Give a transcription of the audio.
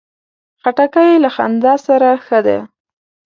خټکی له خندا سره ښه ده.